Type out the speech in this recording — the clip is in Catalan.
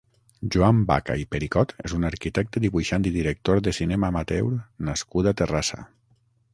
Joan Baca i Pericot és un arquitecte, dibuixant i director de cinema amateur nascut a Terrassa.